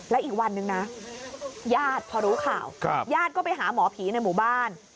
และอีกวันนึงนะญาติพอรู้ข่าวญาติก็ไปหาหมอผีในหมู่บ้าน